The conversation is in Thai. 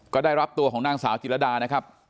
ก็ได้รับตัวของนางสาวจิรดานะครับ